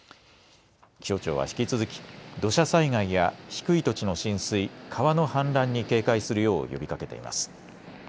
気象庁は引き続き土砂災害や低い土地の浸水、川の氾濫に警戒するよう呼びかけています。